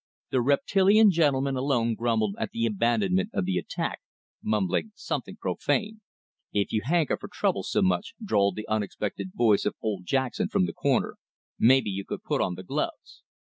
The reptilian gentleman alone grumbled at the abandonment of the attack, mumbling something profane. "If you hanker for trouble so much," drawled the unexpected voice of old Jackson from the corner, "mebbe you could put on th' gloves."